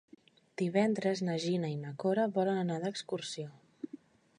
Divendres na Gina i na Cora volen anar d'excursió.